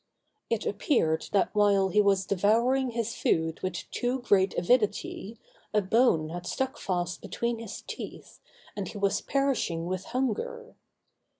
It appeared that while he was devouring his food with too great avidity, a bone had stuck fast between his teeth, and he was perishing with hunger.